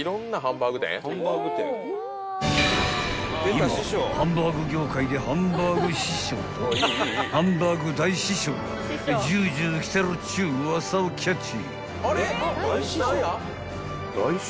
［今ハンバーグ業界でハンバーグ師匠とハンバーグ大師匠がジュージューきてるっちゅうウワサをキャッチ］